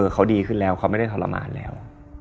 เขาดีขึ้นแล้วเขาไม่ได้ทรมานแล้ว